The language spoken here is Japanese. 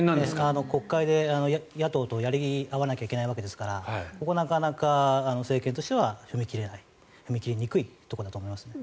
国会で野党とやり合わないといけないのでなかなか政権としては踏み切れない踏み切りにくいところだと思いますね。